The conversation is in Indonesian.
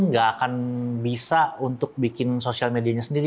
nggak akan bisa untuk bikin sosial medianya sendiri